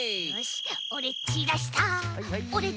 お！